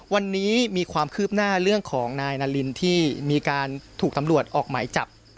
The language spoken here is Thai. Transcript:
วันนี้มีความคืบหน้าเรื่องของนายนารินที่มีการถูกตำรวจออกหมายจับ